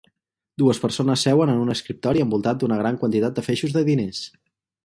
Dues persones seuen en un escriptori envoltat d'una gran quantitat de feixos de diners.